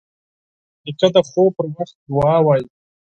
نیکه د خوب پر وخت دعا وايي.